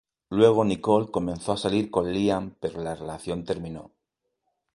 Luego Nicole comenzó a salir con Liam pero la relación terminó.